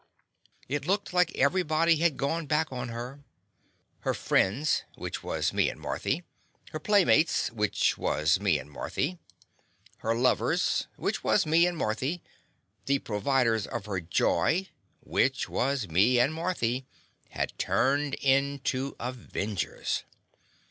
It looked like everybody had gone back on her. Her friends — which was me and Marthy, her playmates — which was me and Marthy, her lovers The Confessions of a Daddy — which was me and Marthy, the pro viders of her joy — which was me and Marthy, had turned into avengers.